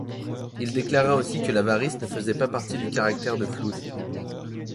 Il déclara aussi que l'avarice ne faisait pas partie du caractère de Flood.